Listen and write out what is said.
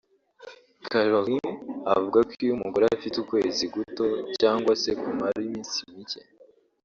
Carolyn avuga ko iyo umugore afite ukwezi guto cyangwa se kumara iminsi mike